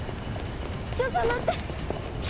ちょっと待って！